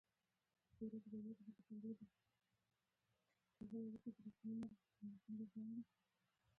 د پکتیکا په یحیی خیل کې څه شی شته؟